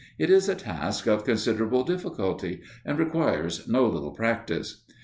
It is a task of considerable difficulty, and requires no little practice.